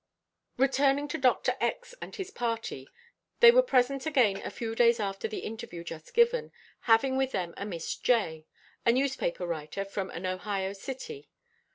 Returning to Dr. X. and his party. They were present again a few days after the interview just given, having with them a Miss J., a newspaper writer from an Ohio city.